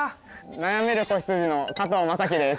悩める子羊の加藤正貴です。